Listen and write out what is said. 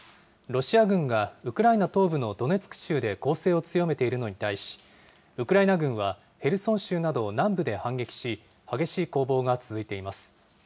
ロシア軍がウクライナ東部のドネツク州で攻勢を強めているのに対し、ウクライナ軍はヘルソン州など南部で反撃し、激しい攻防が続いています。